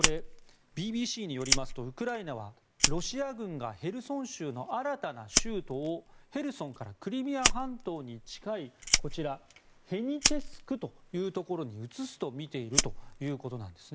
ＢＢＣによりますとウクライナはロシア軍がヘルソン州の新たな州都をヘルソンからクリミア半島に近いヘニチェスクというところに移すとみているということなんです。